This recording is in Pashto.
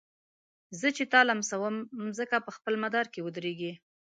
زه چي تا لمسوم مځکه په خپل مدار کي ودريږي